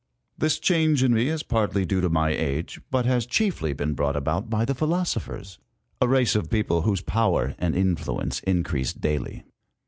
This change in me is partly due to my age, but has chiefly been brought about by the philosophers, a race of people whose power and influence increase daily.